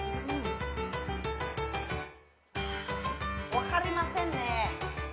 分かりませんね。